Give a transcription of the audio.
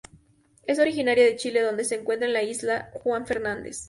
Es originaria de Chile donde se encuentra en la Isla Juan Fernández.